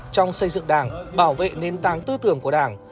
trong xây dựng đảng bảo vệ nền tảng tư tưởng của đảng